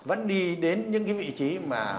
vẫn đi đến những cái vị trí mà